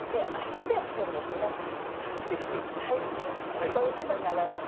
はいこういうことになります。